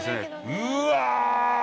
うわ。